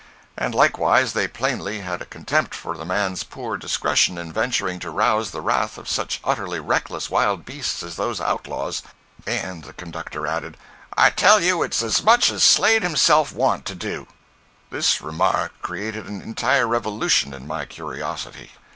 And likewise they plainly had a contempt for the man's poor discretion in venturing to rouse the wrath of such utterly reckless wild beasts as those outlaws—and the conductor added: "I tell you it's as much as Slade himself wants to do!" This remark created an entire revolution in my curiosity.